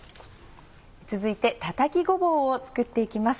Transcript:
続いてたたきごぼうを作って行きます。